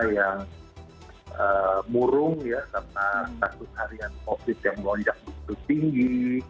yang murung ya karena kasus harian covid yang melonjak begitu tinggi